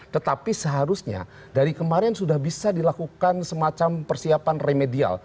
tetapi seharusnya dari kemarin sudah bisa dilakukan semacam persiapan remedial